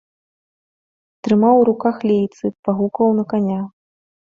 Трымаў у руках лейцы, пагукваў на каня.